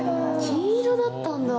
金色だったんだ。